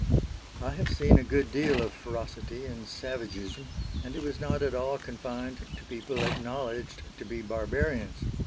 I have seen a good deal of ferocity and savagism, and it was not at all confined to people acknowledged to be barbarians.